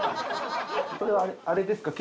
これはあれですか？